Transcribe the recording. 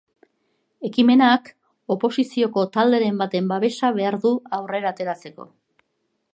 Ekimenak oposizioko talderen baten babesa behar du aurrera ateratzeko.